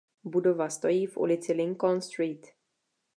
Budova stojí v ulici Lincoln Street.